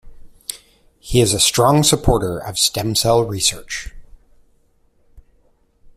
He is a strong supporter of stem-cell research.